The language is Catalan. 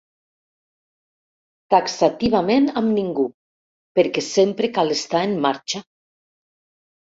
Taxativament amb ningú, perquè sempre cal estar «en marxa».